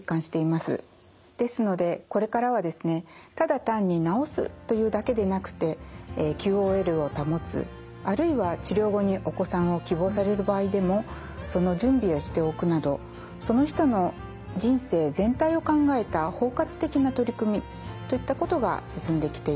ですのでこれからはですねただ単に治すというだけでなくてＱＯＬを保つあるいは治療後にお子さんを希望される場合でもその準備をしておくなどその人の人生全体を考えた包括的な取り組みといったことが進んできています。